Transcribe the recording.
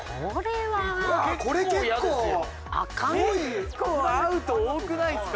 結構アウト多くないですか？